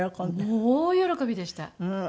もう大喜びでした。